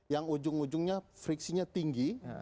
yang ujung ujungnya friksinya tinggi